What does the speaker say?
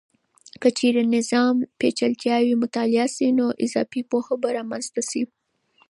که چیرې د نظام پیچلتیاوې مطالعه سي، نو اضافي پوهه به رامنځته سي.